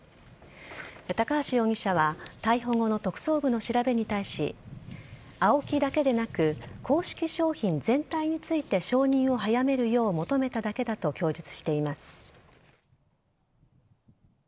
高橋容疑者は逮捕後の特捜部の調べに対しＡＯＫＩだけでなく公式商品全体について承認を早めるよう求めただけだと供述しています。